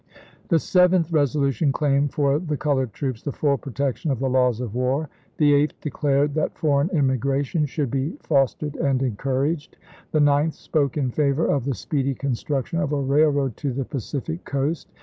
The seventh resolution claimed for the colored troops the full protection of the laws of war. The eighth declared that foreign immigration should be fostered and encouraged. The ninth spoke in favor of the speedy construction of a railroad to the Pacific coast.